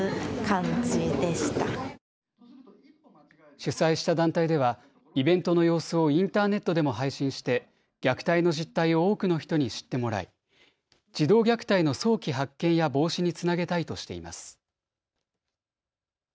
主催した団体ではイベントの様子をインターネットでも配信して虐待の実態を多くの人に知ってもらい児童虐待の早期発見や防止につなげたいとしています。